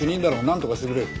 なんとかしてくれよ。